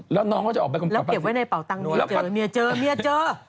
แล้วน้องก็จะออกไปกำกับภาษีแล้วเก็บไว้ในเป่าตังค์เมียเจอเมียเจอเมียเจอ